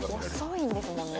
遅いんですもんね。